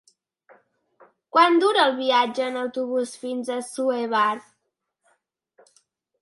Quant dura el viatge en autobús fins a Assuévar?